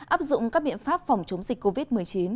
áp dụng các biện pháp phòng chống dịch covid một mươi chín